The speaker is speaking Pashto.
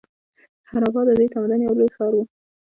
هراپا د دې تمدن یو لوی ښار و.